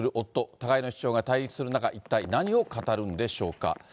互いの主張が対立する中、一体何を語るんでしょうか。